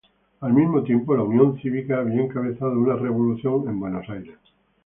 Al mismo tiempo, la Unión Cívica había encabezado una revolución en Buenos Aires.